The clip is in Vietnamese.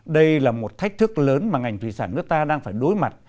đây là một thách thức lớn mà ngành thủy sản nước ta đang phải đối mặt